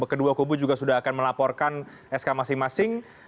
kedua kubu juga sudah akan melaporkan sk masing masing